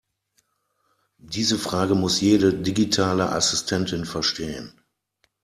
Diese Frage muss jede digitale Assistentin verstehen.